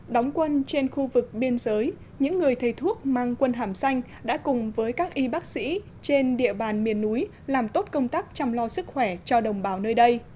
đóng quân trên khu vực biên giới những người thầy thuốc mang quân hàm xanh đã cùng với các y bác sĩ trên địa bàn miền núi làm tốt công tác chăm lo sức khỏe cho đồng bào nơi đây